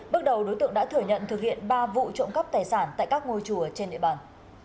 bước đầu đối tượng đã thừa nhận thực hiện ba vụ trộm cắp tài sản tại các ngôi chùa trên địa bàn